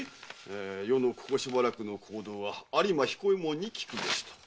「余のここしばらくの行動は有馬彦右衛門に訊くべし」と。